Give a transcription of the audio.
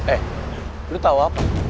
eh lo tau apa